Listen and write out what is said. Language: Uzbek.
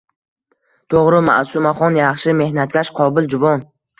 — Toʼgʼri, Maʼsumaxon yaxshi, mehnatkash, qobil juvon.